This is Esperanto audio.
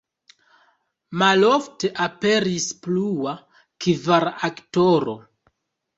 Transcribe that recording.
Malofte aperis plua, kvara aktoro.